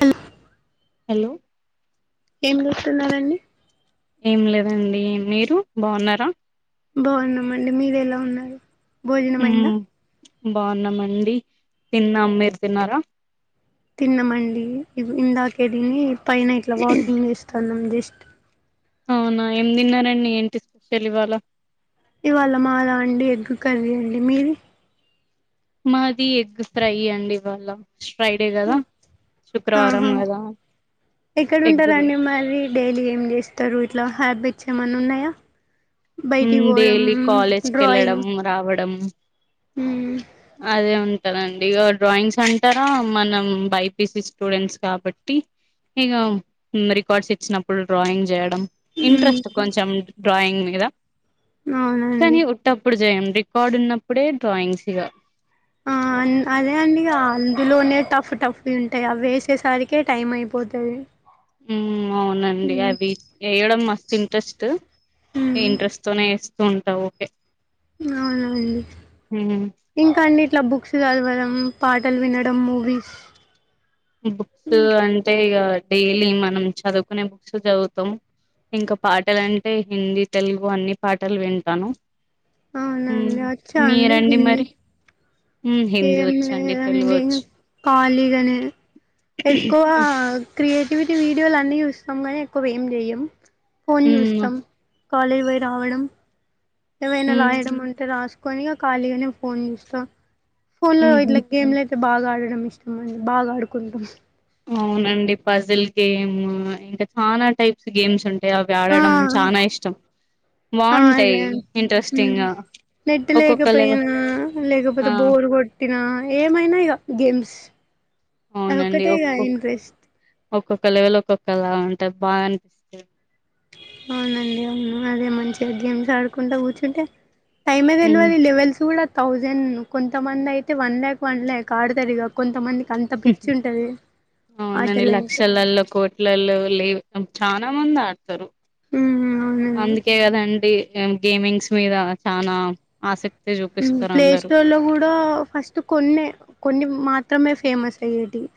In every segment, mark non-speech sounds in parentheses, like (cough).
Hello hello ఏం చేస్తున్నారండి ఏం లేదండి మీరు బాగున్నారా బాగున్నామండి మీరు ఎలా ఉన్నారు భోజనం ఉమ్ అయిందా బాగున్నామండి తిన్నాం మీరు తిన్నారా తిన్నామండి ఇది ఇందాకె తిని పైన ఇట్ల వాకింగ్ చేస్తన్నం జస్ట్ అవునా ఏం తిన్నారండి ఏంటి స్పెషల్ ఇవ్వాల ఇవ్వాల మాదా అండి ఎగ్ కర్రీ అండి మీది మాది ఎగ్ ఫ్రై అండి ఇవ్వల ఫ్రైడే గదా శుక్రవారం ఆహా గదా ఎక్కడ ఎగ్ ఉంటారండి మరి డైలీ ఏం చేస్తారు ఇట్లా హ్యాబిట్స్ ఏమన్న ఉన్నాయా బైటికి పోవడం డైలీ కాలేజ్కి డ్రాయింగ్ వెళ్ళడం రావడం ఉమ్ అదే ఉంటదండి ఇగ డ్రాయింగ్స్ అంటారా మనం బైపీసి స్టూడెంట్స్ కాబట్టి ఇగ మ్ రికార్డ్స్ ఇచ్చినప్పుడు డ్రాయింగ్ చేయడం ఇంట్రెస్ట్ మ్మ్ కొంచెం డ్రాయింగ్ మీద అవునండి కాని ఉట్టప్పుడు జేయండి కార్డున్నప్పుడే డ్రాయింగ్సిగ ఆ అన్ అదే అండి ఇగ అందులోనే టఫ్ టఫ్ ఉంటయ అవ్వేసేసరి కే టైమైపోతది ఊ అవునండి అవి ఏయడం మస్తు ఇంట్రెస్టు మ్మ్ ఇంట్రెస్ సొనే ఏస్తూంటా ఓకే అవునండి మ్మ్ ఇంకా అండి ఇట్ల బుక్సు జదవడం పాటల్ వినడం మూవీస్ ఈ బుక్సూ అంటే ఇగా డైలీ మనం చదువుకునే బుక్సు జదువుతాం ఇంక పాటలంటే హిందీ తెల్గు అన్ని పాటల్ వింటాను ఊ అవునండి వచ్చా అండి మీరండి హిందీ మరి ఊ హిందీ వొచ్చండి తెలుగు వొచ్చ్ ఖాళిగనే ఎక్కువా క్రియేటివిటీ వీడియోల్ అన్నీ జూస్తాం గనీ ఎక్కువ వేం జేయ్యమ్ ఫోన్ మ్మ్ జూస్తం కాలేజ్ వొయ్ రావడం ఏవైనా మ్మ్ రాయడం వుంటే రాస్కొని ఇగ ఖాళిగనేే ఫోన్ జూస్తా ఫోన్ లో మ్మ్ ఇట్లా గేమ్ లె తే బాగా ఆడడం ఇష్టం అండి బాగా ఆడుకుంటాం అవునండి పజిల్ గేమూ ఇంక చనా టైప్స్ గేమ్సున్ టాయ్ అవి ఆ ఆడడం చానా ఇష్టం బావుంటాయ్ ఇంట్రెస్టింగా నెట్టు లేకపోయినా ఆ లేకపోతే బోరు గొ ట్టినా ఏమైనా ఇగ గేమ్స్ అవునండి అదొక్కటే ఇగ ఒక్కొక్క ఇంట్రెస్ట్ ఒక్కొక్క లెవెల్లో ఒక్కొక్కలా ఉంటాయ్ బాగన్ అవునండి అవును అదే మంచిగా గేమ్స్ ఆడుకుంటా గూచ్చుంటే టైమే హ్మ్ దెల్వది లెవెల్సుగుడ థౌజెన్ను కొంతమందైతే వన్ ల్యాక్ వన్ ల్యాక్ ఆడుతారుగా కొంతమందికి అంత పిచ్చి ఉంటది ఆటలంటే ఎల్ల కోట్ ట్లల్లో లేవ్ అబ్ చానా మంద్ ఆడ్తరు ఉమ్ అవునండి అందుకే గదండి ఇగమ్ గేమింగ్స్ మీద చానామ్ ఆసక్తి జూప్ ఉహు ప్లే స్టోర్ లో గూడా ఫస్టు కొన్నే కొన్ని మాత్రమే ఫేమస్ అయ్యేటివి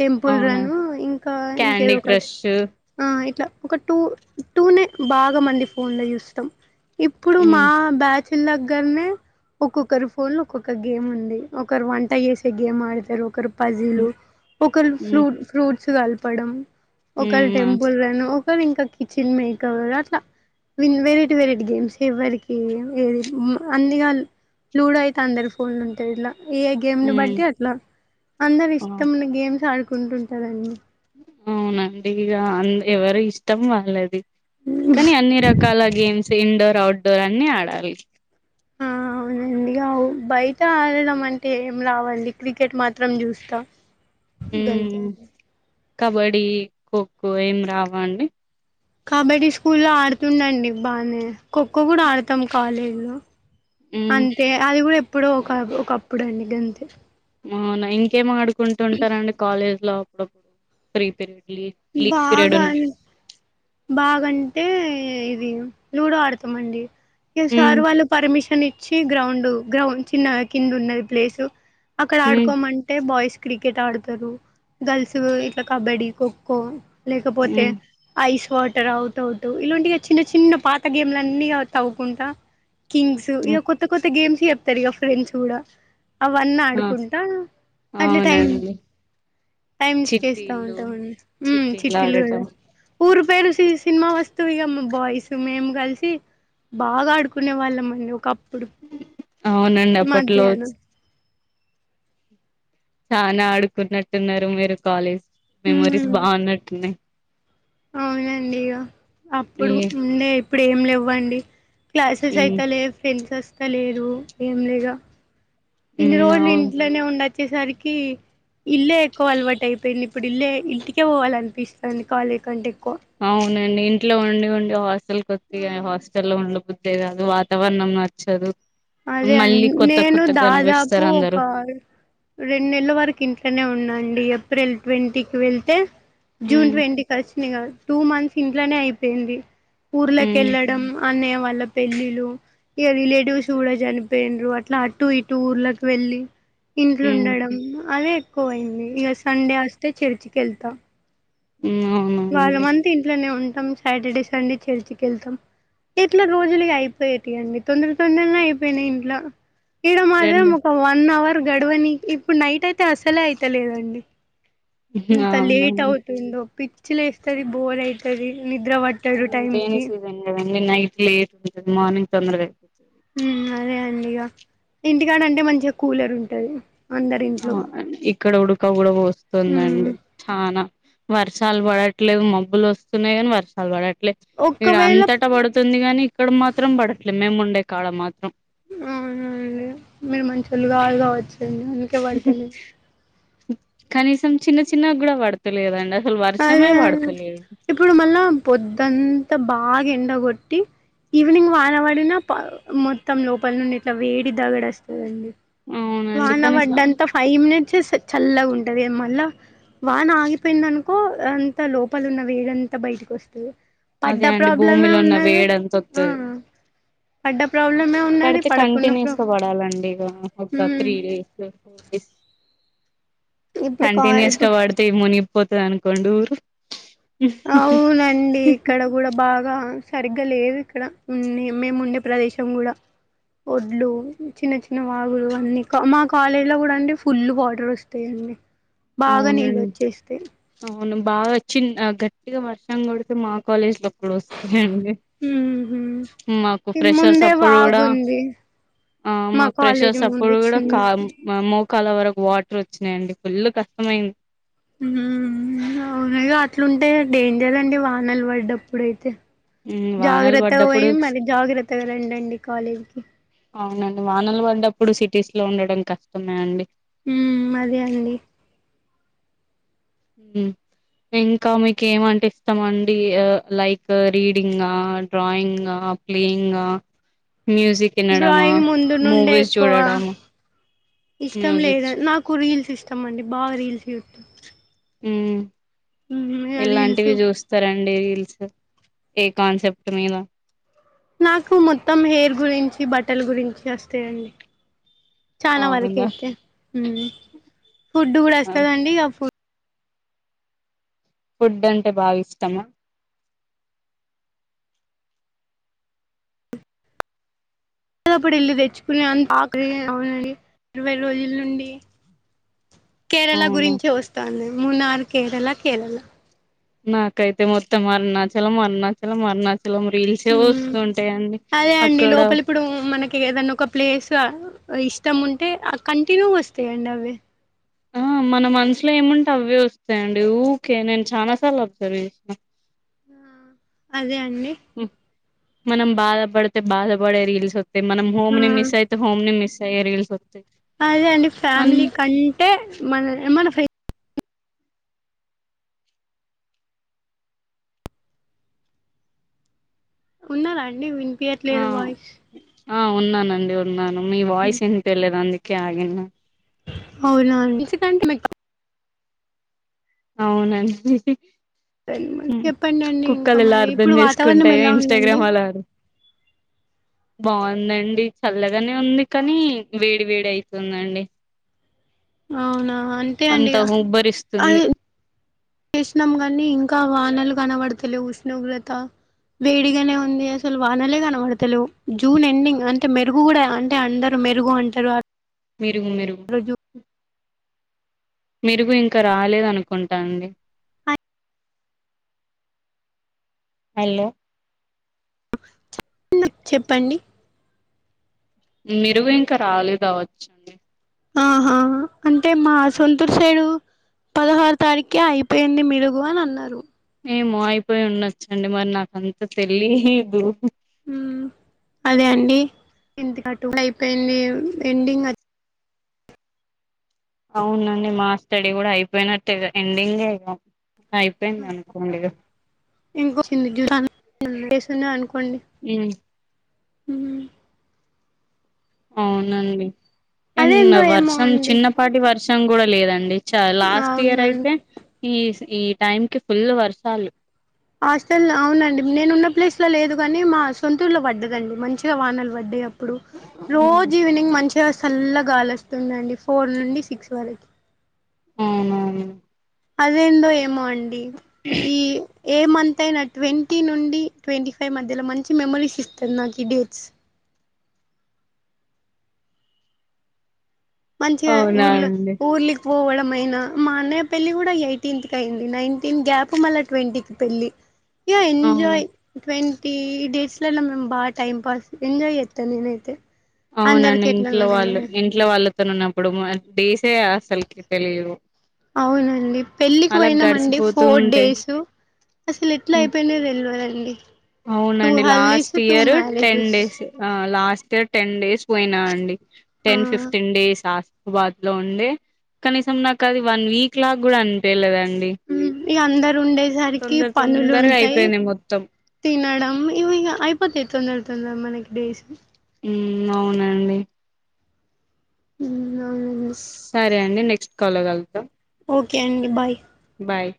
టెంపుల్ అవునా రను ఇంకా ఇంకేదో క్యాండీ ఒకటి క్రష్ ఆ ఇట్లా ఒక టూ టూనే బాగా మండి ఫోన్ లో జూస్తాం ఇప్పుడు మా మ్మ్ బ్యాచు లగ్గర్నే ఒక్కొక్కరు ఫోన్ ఒక్కొక్క గేముంది ఒకరు వంట ఏసే గేమ్ ఆడుతరు ఒకరు పజీలు ఒకరు మ్మ్ ఫ్లూట్ ఫ్రూట్సు గల్పడం ఒకళ్ మ్మ్ టెంపుల్ రన్ను ఒకరికి కిచెన్ మేకవర అట్ల విన్ వెరైటీ వెరైటీ గేమ్స్ ఎవ్వరికి ఏది మ్ అందిగాన్ లూడో అయితే అందరి ఫోన్ లో ఉంటది ఇలా ఏ గేమ్ను మ్మ్ బట్టి అట్ల అందరు ఇష్టమున్న గేమ్సు ఆడుకుంటుంటారండి అవునండి ఇగ అన్ ఎవరు ఇష్టం వాళ్ళది కానీ అన్ని రగ్ కాళ గేమ్స్ ఇండోర్ అవుడ్డోర్ అన్ని ఆడాలి అవునండిగా ఆవ్ బయట ఆడడం అంటే ఏం రావండి క్రికెట్ మాత్రం జూస్తా గంతే హ్మ్ అండి కబడ్డీ ఖోఖో ఏం రావ అండి కబడ్డి స్కూల్లో ఆడుతుండండి బానే ఖోఖో గూడ ఆడుతాం కాలేజ్ లో హ్మ్ అంతే అది గూడ ఎప్పుడో ఒకా ఒకప్పుడండి గంతే అవునా ఇంకేం ఆడుకుంటు ఉంటారం అండి కాలేజ్ లో అప్పుడప్పుడు ఫ్రీ పీరియడ్ లి బాగా అం బాగంటే ఇది లూడో ఆడతామండి ఇక హ్మ్. సారు వాళ్ళు పర్మిషన్ ఇచ్చి గ్రౌండ్ గ్రౌండ్ చిన్న కింద ఉన్నది ప్లేసు అక్కడ హ్మ్. ఆడుకోమం అంటే బాయ్స్ క్రికెట్ ఆడతారు గర్ల్స్ ఇట్లా కబడ్డీ ఖోఖో లేకపోతే హ్మ్. ఐస్ వాటర్ అవుట్ అవుట్ ఇలాంటిగా చిన్న చిన్న పాత గేమ్లలన్ని తవ్వుకుంటా కింగ్స్ ఇక హ్మ్. కొత్త కొత్త గేమ్స్ చెప్తరు ఇక ఫ్రెండ్స్ కూడా అవన్ని ఆ! ఆడుకుంటా అట్ల టైం అవునండి. టైమ్ స్పేస్తా చిట్టీలు ఉంటాండి చిట్టీలు ఊ చిట్టీలాడటం కూడా ఊరు పేరు సినిమా వస్తువు ఇక బాయ్స్ మేము కలిసి బాగా ఆడుకునే వాళ్ళ మండి ఒకప్పుడు అవునండి అప్పట్లోచ్ మధ్యాహ్నం చానా ఆడుకున్నట్టున్నారు మీరు కాలేజ్ మెమోరీస్ ఉమ్ బాగున్నట్టున్నాయి అవునండి ఇక ఈ అప్పుడు ముందే ఇప్పుడు ఏం లెవ్వండి క్లాసెస్ హ్మ్. ఐతలే ఫ్రెండ్స్ వస్త లేరు ఏం లేగా ఇన్ని హ్మ్. రోజులు అవును. ఇంట్లోనే ఉండచ్చేసరికి ఇల్లే ఎక్కువ అలవాటు అయిపోయింది ఇప్పుడు ఇల్లే ఇంటికే పోవాల అనిపిస్తుంది కాలేజ్ కంటే ఎక్కువ అవునండి ఇంట్లో ఉండి ఉండి హాస్టల్ కోస్తే ఇగ ఉమ్ హాస్టల్లో ఉండబుద్ది అంతే కాదు వాతావరణం నచ్చదు అదే మళ్ళీ అండి కొత్త నేను కొత్త దాదాపు కనిపిస్తారు ఒక అందరూ రెండు నెలల వరకు ఇంట్లోనే ఉన్నాండి ఏప్రిల్ ట్వంటీకిి వెళ్తే జూన్ ఉమ్ ట్వంటీ వచ్చిన ఇగ టూ మంత్స్ ఇంట్లనే అయిపోయింది ఊర్లోకి ఉమ్ వెళ్ళడం అన్నయ వాళ్ళ పెళ్ళిలు ఇక రిలేటివ్స్ చూడ చనిపోయిండ్రు అట్లా అటు ఇటు ఊర్లకి వెలి ఇంట్లు ఉమ్ ఉండడం అదే కువైయింది ఇక సండే వస్తే చర్చికి వెళ్తా ఊ వారమంత ఇంట్లోనే ఉంటాం సాటర్డే సండే చర్చికి వెళ్తాం ఎట్లా రోజులుగా అయిపోయేటి అండి తొందర తొందరగా అయిపోయినాయి ఇంట్ల ఈడ మాత్రం రెండు ఒక వన్ అవర్ గడవని ఇప్పుడు నైట్ అయితే అసలే అయితలేదండి ఎంత లేట్ అవునండి అవుతుందో పిచ్చిలేస్తది బోర్ అయితది నిద్ర వట్ ఇది రేనీ సీజన్ కదండి నైట్ లేట్ ఉంటది మార్నింగ్ తొందరగా అయిపోతది ఊ అదే అండి ఇక ఇంటికాడ అంటే మంచిగా కూలర్ ఉంటది అందరి ఇంట్లో ఆ ఇక్కడ ఉడక కూడా ఉమ్ పోస్తుందండి చానా వర్షాలు పడట్లేదు మబ్బులు వస్తున్నాయి కానీ వర్షాలు పడట్లేదు ఈడ ఒక్కవేళ అంతటా పడుతుంది గానీ ఇక్కడ మాత్రం పడట్లేదు మేము ఉండే కాళ్ళ మాత్రం అవునండి మీరు మంచోళ్లు కాదు కావచ్చు కనీసం చిన్న చిన్న కూడా పడుత త లేదండి అసలు వర్షమే అదే పడతలేదు ఇప్పుడు మళ్ళా పొద్దంతా బాగా ఎండగొట్టి ఈవినింగ్ వానవడిన ప మొత్తం లోపల నుండి ఇట్లా వేడి దగడ వస్తదండి అవునండి వాన కనీసం పడ్డంతా ఫైవ్ మినిట్స్ చల్లగా ఉంటది ఇగ మళ్ళ వాన ఆగిపోయింది అనుకో అంత లోపలున్న వేడంతా బయటకి వస్తది పడ్డ అదే అండి ప్రాబ్లమే భూమిలో ఉన్న ఉన్నది వేడి అంత ఆ ఓత్తది పడ్డ ప్రాబ్లమే ఉన్నది పడితే పడకున్న ప్రా కంటిన్యూస్గా పడాలండి ఇక ఒ త్రీ డేస్ ఫోర్ డేస్ ఇప్పుడు కా కంటిన్యూస్ గా ఇప్పుడు పడితే మునిగిపోతది అనుకోండి ఊరు (inaudible) అండి ఇక్కడ కూడా బాగా సరిగ్గా లేదు ఇక్కడ ఉండే మేము ఉండే ప్రదేశం కూడా ఒడ్లు చిన్న చిన్న వాగులు అన్నీ మా కాలేజీలో కూడా అండి ఫుల్ వాటర్ వస్తుంది బాగా నీళ్ళు అవునండి వచ్చేస్తాయి అవును బాగా వచ్చి గట్టిగా వర్షం కొడితే మా కాలేజ్ లో డవస్తాయండి ఉహు మాకు ఫ్రెషర్స్ ముందే అప్పుడు కూడా వాగుంది ఆ మా కాలేజీ ఫ్రెషర్స్ ముందు అప్పుడు కూడా కాం చిన్నది మోకాల వరకు వాటర్ వచ్చినాయండి ఫుల్ కష్టమైంది మ్ అవునుగా అట్లుంటే డేంజరండి వానలు పడ్డప్పుడైతే మ్ వానలు జాగ్రత్తగా పడ్డప్పుడు పోయి మరి జాగ్రత్తగా రండండి కాలేజీకి అవునండి వానలు పడ్డప్పుడు సిటీస్ లో ఉండడం కష్టమే అండి మ్మ్ అదే అండి మ్మ్ ఇంకా మీకు ఏమంటే ఇష్టం అండి లైక్ రీడింగా డ్రాయింగా ప్లేయింగా ఆ మ్యూజక్ డ్రాయింగ్ ముందు నుండే ఎక్కువ ఇష్టం మ్యూజిక్ లేదు నాకు క్కు రీల్స్ ఇష్టమండి బాగా రీల్స్ చూస్తా ఉమ్ రీల్స్ ఇలాంటివి చూస్ సరండి రీల్స్ ఏ కాన్సెప్ట్ మీద నాకు మొత్తం హెయిర్ గురించి బట్టలు గురించి వస్తాయండి చాలా వరకు అవునా అయితే మ్ ఫుడ్ కూడా ఆ వస్తదండి ఇక ఫుడ్ ఫుడ్ అంటే బాగా ఇష్టమా అప్పుడప్పుడు ఎళ్ళి తెచ్చుకుని అంత ఆకలి ఏం అవదండి ఇరవై రోజుల నుండి కేరళ అవునా గురించి వస్తాంది మునార్ కేరళ కేరళ నాకైతే మొత్తం అరుణాచలం అరుణాచలం అరుణాచలం రీల్ ల్సె వస్తూ ఉంటాయండి అదే అండి అక్కడ లోపల ఇప్పుడు మనకి ఏదన్న ఒక ప్లేస్ ఇష్టం ఉంటే కంటిన్యూ వస్తాయండి అవి ఆ మన మనసులో ఏముంటే అవ్వె వస్తాయండి ఊకే నేను చాలా సార్లు అబ్జర్వ్ చేసిన అదే అండి మనం బాధపడితే బాధపడే రీల్స్ వా మనం హోమ్ ని మిస్ అయితే హోమ్ ని మిస్ అయ్యే రీల్స్ వత్తయ్ అదే అండి ఫ్యామిలీ కంటే మన ఎ మన ఉన్నారా అండి ఆ వినిపియట్లేదు వాయిస్ ఆ ఉన్నానండి ఉన్నాను మీ వాయిస్ వినిపియలేదు అందుకే ఆగేను అవునా అండి (unintelligible) అవునండి హ్మ్. చేపండండి ఇంకా కుక్కలు ఎలా మరి అర్థం ఇప్పుడు వాతావరణం చేసుకుంటాయో ఎలా ఉందండి ఇన్స్టాగ్రామ్ బావుందండి చల్లగానే ఉంది కానీ వేడి వేడి అయితుందండి అవునా అంతే అండి అంత ఇగ ఉబ్బరిస్తుంది అది చేసినాం గానీ ఇంకా వానలు కనబడ్తలేవ్ ఉష్ణోగ్రత వేడిగానే ఉంది అసలు వానలే కనబడతలేవ్ జూన్ ఎండింగ్ అంటే మెరుగు కూడా అంటే అందురు మెరుగు అంటారు మిరుగు మిరుగు రోజు మిరుగు ఇంకా రాలేదు అనుకుంటాండి హలో (unintelligible) చెప్పండి మిరుగు ఇంకా రాలేదు అవచ్చు ఆహా అంటే మా సొంతూరు సైడు పదహారు తారీఖే అయిపోయింది మీరుగు అనన్నరు ఏమో అయిపోయి ఉండొచ్చండి మరి నాక అంత తెలీదు మ్మ్ అదే అండి అయిపోయింది (unintelligible) ఎండింగ్ అవునండి మా స్టడీ కూడా అయిపోయినట్టే ఎండింగే అపోయింది అనుకోండిగ (unintelligible) అనుకోండి ఏమి అవునండిం నిన్న అదేందో ఏమో వర్షం అండి చిన్న పాటి వర్షం కూడా లేదండి చ లాస్ట్ ఇయర్ అయితే అవునండి ఈస్ ఈ టైం కి ఫుల్ వర్షాలు హాస్టల్ అవునండి నేను ఉన్న ప్లేస్లో లేదు గానీ మా సొంతూర్లో పడ్డదండి మంచిగా వానలు పడ్డాయి ఇప్పుడు రోజు ఈవినింగ్ మంచిగా చల్ల గాలి వస్తుందండి ఫోర్ నుండి సిక్స్ వరకి అవునవును అదేందో ఏమో అండి ఈ ఏ మంత్ అయినా ట్వంటీ నుండి ట్వంటీ ఫైవ్ మధ్యలో మంచి మెమరీస్ ఇస్తంది నాకు ఈ డేట్స్ మంచిగా అవునా ఊర్ల అండి ఊర్లి పోవడమయినా మా అన్నయ్య పెళ్ళి కూడా ఎయిటీన్త్కి అయింది నైన్టీన్త్ గ్యాప్ మళ్ళీ ట్వంటీకి పెళ్ళి య అవును ఎంజాయ్ ట్వంటీ డేట్స్లలో మేమ్ బాగా టైం పాస్ ఎంజాయ్ చేత్తా నేనైతే అవునండి అందరికి ఇంట్లో ఎట్లనో వాళ్ళు తెల్వదు ఇంట్లో వాళ్ళతో ఉన్నప్పుడు డేసే అసలకి తెలిదు అవునండి పెళ్ళికి పోయినాంమండి గడిచిపోతూ ఫోర్ ఉంటాయి డేస్ అసలు ఎట్లా ఉమ్ అయిపోయినయి తెలవదండి టూ అవునండి haldis last two year ten marriages days ఆ లాస్ట్ ఇయర్ టెన్ డేస్ పోయినా అండి ఆ టెన్ ఫిఫ్టీన్ డేస్ బాద్ లో ఉండడి కనీసం నాకు అది వన్ వీక్ లాగా గూడా అనిపిలేదండి ఇఅ అందరు ఉండేసరికి పనులు తొందరగా ఉంటాయి అయిపోయింది మొత్తం తినడం ఇవి ఇక అయిపోతయి తొందర తొందర మనకి డేస్ మ్ అవునండి సరే అండి నెక్స్ట్ కాల్లో కలుద్దాం ఓకే అండి బాయ్ బాయ్